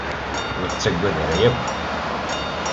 Ur tettaggad ara akk.